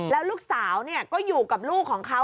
แล้วลูกสาวก็อยู่กับลูกของเขา